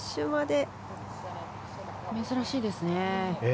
珍しいですね。